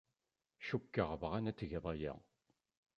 Cukkeɣ bɣan ad tgeḍ aya.